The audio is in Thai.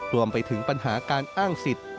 รวมไปถึงปัญหาการอ้างสิทธิ์